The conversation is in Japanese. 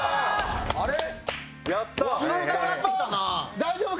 大丈夫か？